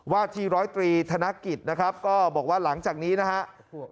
ที่ร้อยตรีธนกิจนะครับก็บอกว่าหลังจากนี้นะครับ